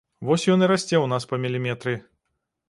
Вось ён і расце ў нас па міліметры.